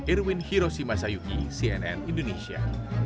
irwin hiroshima sayuki cnn indonesia